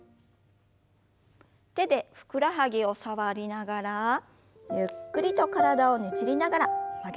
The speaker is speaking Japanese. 手でふくらはぎを触りながらゆっくりと体をねじりながら曲げましょう。